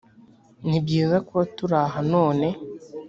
ni byiza kuba turi aha none